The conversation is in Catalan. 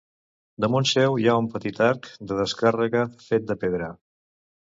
Damunt seu hi ha un petit arc de descàrrega fet de pedra.